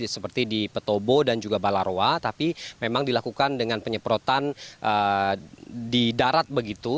seperti di petobo dan juga balarowa tapi memang dilakukan dengan penyemprotan di darat begitu